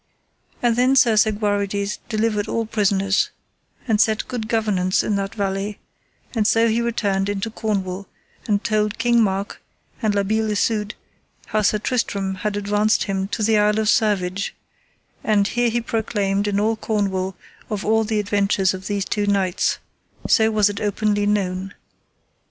And then Sir Segwarides delivered all prisoners, and set good governance in that valley; and so he returned into Cornwall, and told King Mark and La Beale Isoud how Sir Tristram had advanced him to the Isle of Servage, and there he proclaimed in all Cornwall of all the adventures of these two knights, so was it openly known.